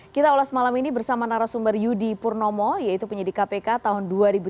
kita ulas malam ini bersama narasumber yudi purnomo yaitu penyidik kpk tahun dua ribu tiga belas dua ribu dua puluh